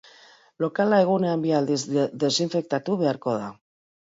Lokala egunean bi aldiz desinfektatu beharko da.